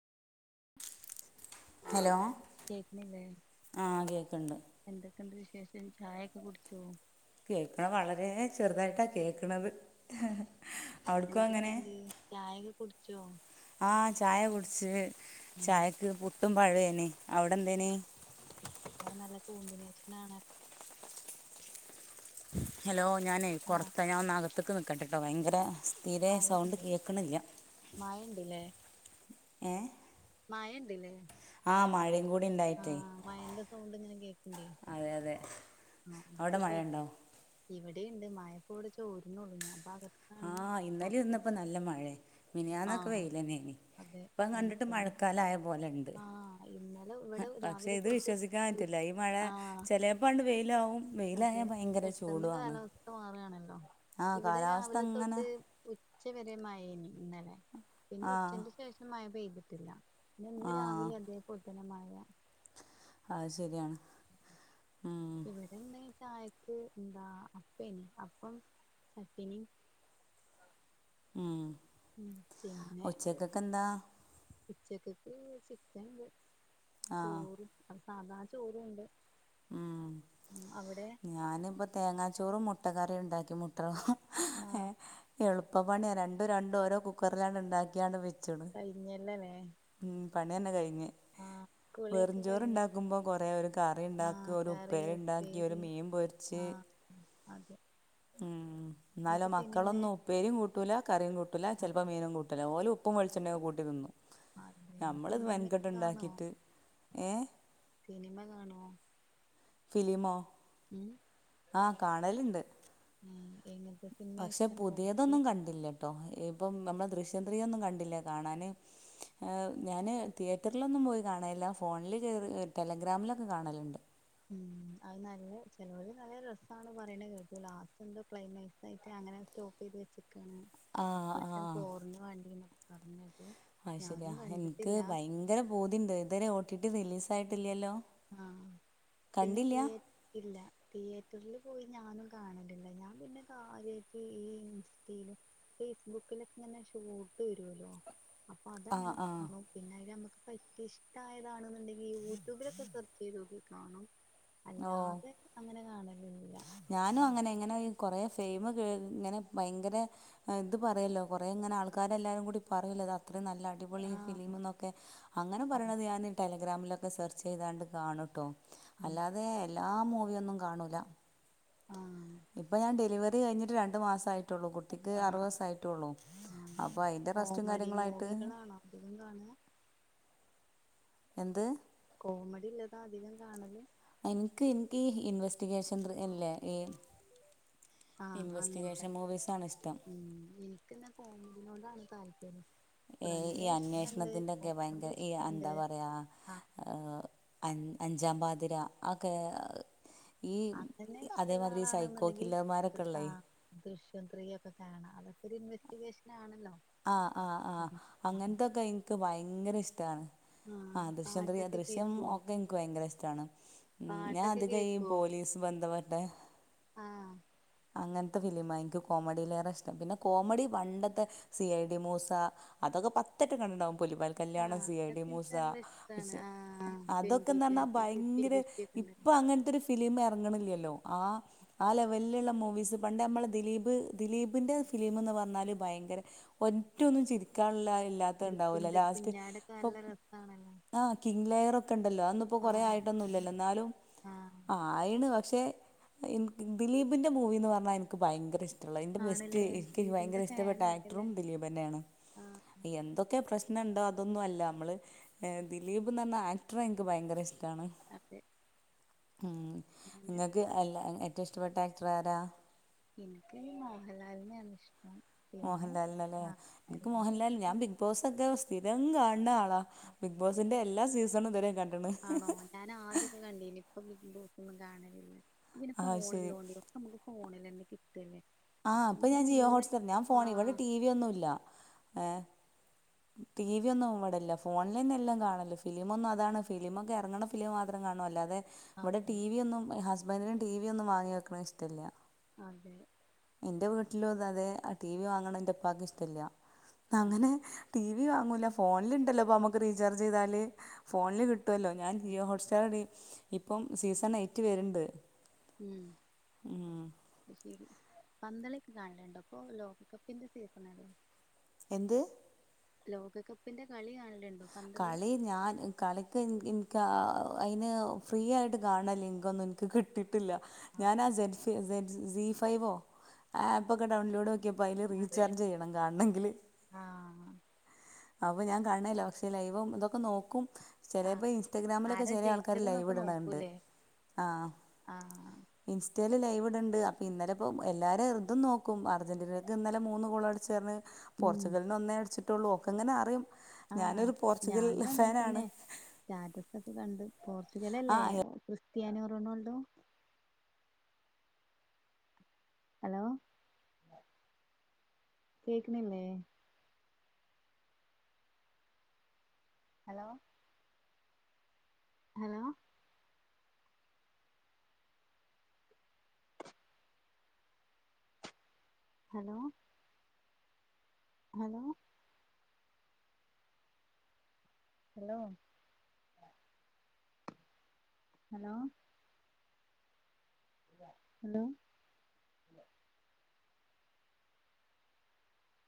Hello കേക്കണില്ലേ ആ കേൾക്കുന്നുണ്ട് എന്തൊക്കെണ്ട് വിശേഷം ചായ ഒക്കെ കുടിച്ചോ കേക്കണ വളരെ ചെറുതായിട്ടാ കേക്കണത് എന്തൊക്കെയുണ്ട് ചായയൊക്കെ കുടിച്ചോ ആഹ് ചായ കുടിച്ച് ആഹ് ചായക്ക് പുട്ടും പഴേനി അവിടെ എന്തേനി അത് നല്ല കോമ്പിനേഷനാണ് ഹലോ ഞാനേ ആഹ് പുറത്താ ഞാൻ ഒന്നകത്ത്ക്ക് നിക്കട്ടേട്ടോ ഭയങ്കര തീരേ സൗണ്ട് കേക്കണില്ല മഴയുണ്ടീലെ ഏഹ് മയയുണ്ടീലേ ആഹ് മഴേം കൂടെ ആഹ് മയേന്റെ സൗണ്ട് ഇങ്ങനെ കേക്ക്ണ്ടേ. അതെ അതെ ആഹ് അവിടെ മഴ ഇപ്പോശെരി ഉണ്ടോ ഇവടേണ്ട് മയപ്പോവടെ ചോര്ന്നൊള്ളൂ ഞാപ്പൊ അകത്ത് ആഹ് ഇന്നലേന്നിപ്പോ നല്ല മഴേ. മിനിയാന്നൊക്കെ ആഹ് വെയില്ലന്നേന്. അതെ ഇപ്പം അങ്ങനെ കണ്ടിട്ട് തന്നെ മഴക്കാല ആയ പോലൊണ്ട് ആഹ് ഇന്നലെ ഇവിടെ പക്ഷെ രാവിലെ ഇത് തൊട്ട് വിശ്വസി ക്കാൻ പറ്റൂല്ല. ഈ മഴ ആഹ് ചെലേപ്പങ്ങ്ണ്ട് വെയിലാവും വെയിലായാ ഭയങ്കര ചൂടുവാണ്. സ്ഥ മാറാണല്ലോ? ഇവിടെ രാവിലെ അങ്ങനെ തൊട്ട് ഉച്ച വരെ മയേന്ന് ഇന്നലെ പിന്നെ ആ ഉച്ചേന്റെ ശേഷം മഴ പെയ്തിട്ടില്ല. പിന്നേ ഇന്ന് ആ രാവിലീം അതേ പോലത്തന്നെ മഴ. അത് ശെരിയാണ് ഉം. പിന്നെന്ന് ചായക്ക് എന്താ അപ്പേന്നു അപ്പം ചട്ട്ണി ഉം ഉം പിന്നെ പിന്നെ ഉച്ചക്കൊക്കെ എന്താ ഉച്ചക്കൊക്കെ ചിക്കൻണ്ട്. ആ ചോറും അപ്പോ സാധാ ചോറുംണ്ട്. അവിടെ ഞാനിപ്പോ തേങ്ങാച്ചോറും മുട്ടക്കറിയുംണ്ടാക്കി. മുട്ട ആഹ് ഏഹ് എളുപ്പ പണിയാ രണ്ടും രണ്ടും ഓരോ കുക്കറിലങ്ങ്ട്ണ്ടാക്കിയാണ്ട് വെച്ച് കൈഞ്ഞില്ലന്നേ ഉം പണിയന്നെ കഴിഞ്ഞ്. കുളിയൊക്കെ കഴിഞ്ഞോ വെറുംചോറുണ്ടാക്കുമ്പോ കൊറേ ഒരു കറിയുണ്ടാക്കി ആഹ് കറി ഒരുപ്പേരിയുണ്ടാക്കി ഒരു ഉപ്പേരി മീൻപൊ ആഹ് അതെ. ഉം ഇന്നാലോ എന്നിട്ട് സിനിമേ മക്കളൊന്നും ഉപ്പേരിയും കൂട്ടൂല കറിയും കൂട്ടൂല ചെലപ്പോ മീനും കൂ ട്ടൂല്ലാ. ഓല് ഉപ്പും വെളിച്ചെണ്ണോക്കെ കൂട്ടിതിന്നും. അതെ നമ്മളിത് മെനക്കെട്ട് സിനിമയൊക്കെ കാണോ ഉണ്ടാക്കീട്ട് ഏഹ് സിനിമ കാണോ? ഫിലിമോ? ഉം ആഹ് കാണലുണ്ട് ഉം, എങ്ങൻത്തെ പക്ഷെ പുതിയതൊന്നും കണ്ടില്ലട്ടോ. ഇപ്പം നമ്മളെ ദൃശ്യം ത്രീയൊന്നും കണ്ടില്ല കാണാന് ഏഹ് ഞാന് തിയേറ്ററിലൊന്നും പോയി കാണലില്ല. ഫോണില് കേറി ടെലഗ്രാമിലൊക്കെ കാണല്ണ്ട്. ഉം അത് നല്ല ചെലോര് നല്ല രസാണ് പറയിണ കേട്ടു. ലാസ്റ്റ് എന്തോ ക്ലൈമാക്സ് സായിട്ട് അങ്ങനെ സ്റ്റോപ്പീത് വെച്ചിക്കാണ്. ആ ആ ദൃശ്യം ഫോറിന് വാണ്ടീന്നൊക്കെ പറീണ കേട്ടു. അയ്ശെരിയാ. ഞാനും എനിക്ക് കണ്ടിട്ടില്ല ഭയങ്കര പൂതിണ്ട്. ഇതുവരെ ഓ ടി ടി റിലീസ് ആയിട്ടില്ലല്ലോ? ആഹ്, പിന്നെ തിയേ ഇല്ല. തിയേറ്ററില് പോയി ഞാനും കാണണില്ല. ഞാൻ പിന്നെ കാര്യായിട്ട് ഈ സ്റ്റീലും ഫേസ്ബുക്കിലൊക്കങ്ങന്നെ ഷോട്ട് വരുമല്ലോ? അപ്പൊ ആ അതങ്ങനെ ആ കാണും. പിന്നെ അയിലമ്മക്ക് പറ്റി ഇഷ്ടായതാണ്ന്നുണ്ടെങ്കി യൂട്യൂബിലൊക്കെ സെർച്ചേയ്തോക്കി കാണും. ഓ അല്ലാതെ അങ്ങനെ കാണലില്ല. ഞാനും അങ്ങനെ ഇങ്ങനെ ഈ കൊറെ ഫെയിമ് കേ ഇങ്ങനെ ഭയങ്കരെ ഏഹ് ഇത് പറയല്ലോ കൊറെങ്ങനെ ആൾക്കാരെല്ലാരും കൂടി പറയല്ലോ അത്രീം നല്ല അടിപൊളി ആഹ് ഫിലിമ്ന്നൊക്കെ. അങ്ങനെ പറയണത് ഞാന് ടെല ഗ്രാമിലൊക്കെ സെർച്ചെയ്താണ്ട് കാണൂട്ടോ. ഉം. അല്ലാതെ എല്ലാ മൂവിയൊന്നും കാണൂല. ആഹ്. ഇപ്പോ ഞാൻ ഡെലിവറി കഴിഞ്ഞിട്ട് രണ്ട് മാസാ ട്ടൊള്ളു. കുട്ടിക്ക് ആഹ് അറുവത് സായിട്ടൊള്ളൂ. ആഹ് അപ്പൊ അതിന്റെ റസ്റ്റും കോമഡി കാര്യങ്ങള്വായിട്ട് മൂവികളാണോ അധികം കാണേ? എന്ത്? കോമഡി ഇല്ലതാ അധികം കാണല്? എൻക്ക് ഇൻക്കീ ഇൻവെസ്റ്റിക്കേഷൻ ഇല്ലേ ഈ ആഹ് അങ്ങൻത്തെ. ഇൻവെസ്റ്റിഗേഷൻ മൂവീസാണ് ഇഷ്ടം ഉം ഇൻക്കിന്നെ കോമടീനോടാണ് താല്പര്യം. ഈ പ്രണയേ ഇഷ്ടണ്ട്, അന്വേഷണത്തിൻ്റെയൊക്കെ കോമഡി ഇഷ്ടണ്ട്. ആഹ് ഏഹ് അൻ അഞ്ചാം പാതിര അതൊക്കെ ഈ അപ്പനെ ഇഷ്ടള്ള അതേമാതിരി ഈ സൈക്കോ ആളാണെന്ന്ണ്ടെങ്കി കില്ലർമാരൊക്കെ ഇല്ലേ ആ ദൃശ്യം ത്രീയൊക്കെ കാണാം. അതൊക്കെ ഒരു ഇൻവെസ്റ്റിക്കേഷൻ ആണല്ലോ ആഹ് ആഹ് ആഹ് ഉം. ആ അങ്ങൻത്തൊക്കെ എൻക്ക് ഭയങ്കര ഇഷ്ടാണ് ആ, ആഹ് ദൃശ്യംത്രീയാ പാട്ടൊക്കെ ദൃശ്യം കേക്കുവോ ഓക്കെ ഇൻക്ക് ഭയങ്കര ഇഷ്ടാണ്. ഉം ഞാൻ പാട്ടൊക്കെ അത് കഴി കേക്കുവോ പോലീസ് ബന്ധപ്പെട്ടെ ആഹ് അങ്ങൻത്തെ ഫിലിംമാ ഇൻക്ക് കോമഡിയിലേറെ ഇഷ്ടം പിന്നെ കോമഡി പണ്ടത്തെ സി ഐ ഡി മൂസ അതൊക്കെ പത്തട്ട കണ്ടിട്ട്ണ്ടാവും പുലിവാൽ കല്യാണം ആഹ് സി ഐ ഡി അതൊക്കെ എനിക്ക് മൂസ നല്ല ഇഷ്ടാണ് ആഹ് ട്വന്റി അതൊക്കെന്ന് പറഞ്ഞാ ട്വന്റി ഫിഫ്റ്റി ഭയങ്കര ഫിഫ്റ്റി ഒക്കെ ഉണ്ടല്ലോ ഇപ്പൊ അങ്ങൻത്തെ ഒരു ഫിലിം എറ്ങ്ങ്ണില്ലല്ലോ. ആഹ് ആഹ് ലെവലില്ള്ള മൂവീസ് പണ്ട് നമ്മള് ദിലീപ് ദിലീപിന്റെ ഫിലിം എന്ന് പറഞ്ഞാല് ഭയങ്കര ഒറ്റൊന്നും ചിരിക്കാല്ല ഇല്ലാത്ത ഇണ്ടാവൂല ഇരിക്കുണ്ടൊരു ലാസ്റ്റ് കുഞ്ഞാടൊക്കെ ഇപ്പൊ നല്ല രസാണല്ലോ ആ കിംഗ് ലെയർ ഒക്കെ ഇണ്ടല്ലോ. അതൊന്നു കൊറേ ആഹ് ആയിട്ടൊന്നും ഇല്ലല്ലോ ഇന്നാലും ആഹ് ആയിണ് പക്ഷേ എന ദിലീപിൻ്റെ മൂവീന്ന് പറഞ്ഞാ എൻക്ക് ഭയങ്കര ഇഷ്ട എന്റെ ബെസ്റ്റ് ആണല്ലേ എനിക്ക് ഭയങ്കര ദിലീപിന്റെ ഇഷ്ടപ്പെട്ട ഫാനാണല്ലേ ആക്ടറും ദിലീപന്നേണ്. ആഹ് എന്തൊ ക്കെ പ്രശ്ന ഇണ്ടോ അതൊന്നും അല്ല. നമ്മള് എ ദിലീപ് ന്ന്‌ പറഞ്ഞ ആക്ടറെ ഇൻക്ക് ഭയങ്കര ഇഷ് ടാണ്. അതെ ഉം ഇങ്ങക്ക് അല്ല ഏറ്റവും ഇഷ്ടപ്പെട്ട ആക്ടർ ആരാ ഇൻക്ക് മോഹൻലാലിനെയാണ് ഇഷ്ടം പിന്നെ മോഹൻലാലിനെല്ലേ. ആഹ് ഇൻക്ക് എല്ലാരും മോഹൻലാൽ ഇപ്പോ ഞാൻ ബിഗ് ബോസ് ഒക്കെ സ്ഥിരം കാണ് ണ ആ ബിഗ് ബോസിന്റെ എല്ലാ സീസണും ഇതുവരെയും കണ്ട്ണ്. ആണോ. ഞാൻ ആദ്യക്കെ കണ്ടീനി. ഇപ്പൊ ബിഗ്‌ബോസോന്നും കാണലില്ല. ഇപ്പൊ പിന്നെ ആഹ് ശരി ഫോണുള്ളോണ്ടേ നമുക്ക് ഫോണിലന്നെ കിട്ടെന്നെ ആഹ് അപ്പൊ ഞാൻ ജിയോ ഹോട്ട്സ്റ്റാർ ഞാൻ ഫോൺ ഇവിടെ ടി വി ഒന്നുല്ല ഏഹ് ടി വി ഒന്നു ഇവിട ഇല്ല. ഫോണില്ലന്നെ എല്ലാം കാണ്ണല്ല്. ഫിലിമം ഒന്നും അതാണ് ഫിലിമൊക്കെ എറങ്ങ്ണ കിലോ മാത്രം കാണൊ അല്ലാതെ ഇവടെ ആഹ് ടി വി ഒന്നും ഹസ്ബൻഡിനും ടി വി ഒന്നും വാങ്ങി വെക്ക്ണ ഇഷ്ടല്ല. അതെ ഇന്റെ വീട്ടിലു താതെ ആഹ് ടി വി വാങ്ങ്ണേ ഇന്റെ ഇപ്പാക്ക് ഇഷ്ടല്ല അതെ. അങ്ങനെ ടി വി വാങ്ങൂല ഫോണില്ണ്ടല്ലോ അപ്പൊ അമുക്ക് റീചാർജ് ചെയ്താല് ഫോണില് കിട്ടൊല്ലോ ഞാൻ ജിയോ ഹോട്ട്സ്റ്റാർ ഇപ്പം സീസൺ എയ്റ്റ് വര്ണ്ട് ഉം ശെരി പന്തള്യക്കെ കാണല്ണ്ടൊ ഇപ്പൊ ലോകകപ്പിന്റെ സീസണെല്ലെ എന്ത് ലോകകപ്പിന്റെ കളി കാണല്ണ്ടോ കളി ഞാൻ കളിക്ക് ഇൻക്ക് ആ അയിന് ഫ്രീ ആയിട്ട് കാണ ലിങ്കൊന്നും ഇൻക്ക് കിട്ടിട്ടില്ല ഞാനാ സൈൻഫ് സൈഡ്സ് സി ഫൈവോ ആഹ് ആപ്പ് ഒക്കെ ഡൗൺലോഡ്ക്ക ക്കിപ്പോ അയില് റിചാർജ് ചെയ്യണം കാണ് ണങ്കില് ആഹ് അപ്പൊ ഞാൻ കാണേല്ല പക്ഷെ ലൈവും ഇതൊക്കെ നോക്കും ആഹ് ചെലേപ്പോ ഇൻസ്റ്റാഗ്രാമിലൊക്കെ ആരാ ചെല ആൾക്കാര് ജയിച്ചത് ലൈവ് എന്നൊക്കെ ഇട്ണ ഇണ്ട് നോക്കൂലേ ആഹ് ആഹ് ഇൻസ്റ്റെയ്ല് ലൈവ് ഇട്ണ്ട് അപ്പൊ ഇന്നലെ ഇപ്പോ എല്ലാരെ ഇതും നോക്കും. അർജന്റീനയ്ക്ക് ഇന്നലെ മൂന്ന് ഗോൾ അട്ച്ച് അറ്ന്ന് ഉം പോർച്ചുഗലിന് ഒന്നേ അടിച്ച്ട്ടൊള്ളൂ. ഒക്കെ ഇങ്ങനെ അറിം ആഹ് ഞാനും അങ്ങനെ തന്നെ സ്റ്റാറ്റസ് ഒക്കെ കണ്ട് ആ പോർച്ചുഗലല്ലേ ക്രിസ്ത്യാനോ റൊണാൾഡോ ഹലോ കേക്കിണില്ലേ hello hello hello hello hello hello hello